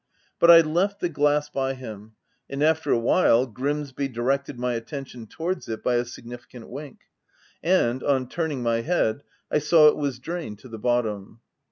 But I left the glass by him ; and after a while, Grimsby directed my attention towards it, by a significant wink ; and, on turn ing my head, I saw it was drained to the bottom.